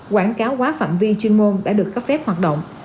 quảng cáo quá phạm vi chuyên môn đã được cấp phép hoạt động